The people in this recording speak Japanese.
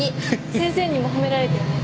先生にも褒められたよね。